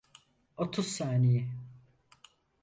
Otuz saniye.